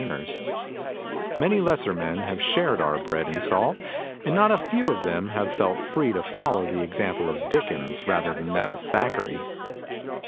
149 CONCERNING CONVERSATION Many lesser men have shared our bread and salt; and not a few of them have felt free to fol low the example of Dickens rather than that of Thackeray.